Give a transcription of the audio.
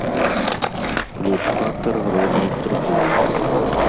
Плюс фактар родных трыбунаў.